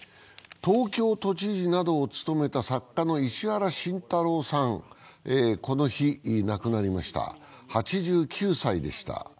東京都知事などを務めた作家の石原慎太郎さん、この日、亡くなりました、８９歳でした。